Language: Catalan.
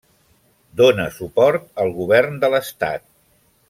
Dóna suport al govern de l'estat.